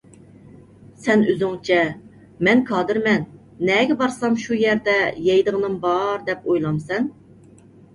سەن ئۆزۈڭچە مەن كادىرمەن، نەگە بارسام شۇ يەردە يەيدىغىنىم بار دەپ ئويلامسەن؟!